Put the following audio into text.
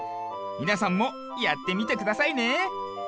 みなさんもやってみてくださいね。